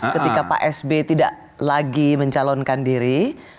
ketika pak sb tidak lagi mencalonkan diri